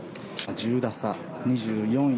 １０打差２４位